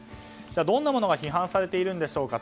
どんなものが批判されているんでしょうか。